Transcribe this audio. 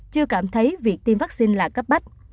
chưa cảm thấy việc tiêm vaccine là cấp bách